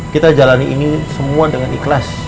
kita jalani ini semua dengan ikhlas